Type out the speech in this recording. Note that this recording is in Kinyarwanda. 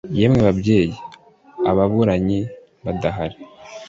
Yemwe babyeyi ababuranyi badahari